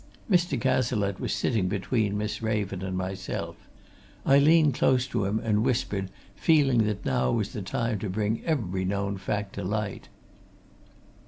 Mr. Cazalette was sitting between Miss Raven and myself; I leaned close to him and whispered, feeling that now was the time to bring every known fact to light.